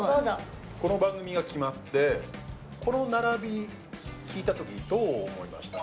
この番組が決まってこの並び聞いたときどう思いました？